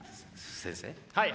先生？